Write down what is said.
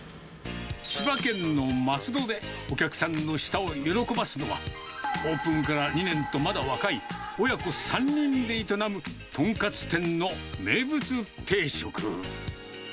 千葉県の松戸で、お客さんの舌を喜ばすのは、オープンから２年とまだ若い、親子３人で営むトンカツ店の名物定食。